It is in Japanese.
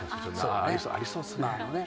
ありそうですね。